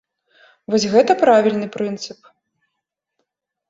Вось гэта правільны прынцып.